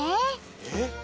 えっ！？